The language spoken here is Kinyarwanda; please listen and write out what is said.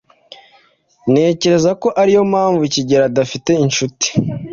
Ntekereza ko ariyo mpamvu Kigeri adafite inshuti.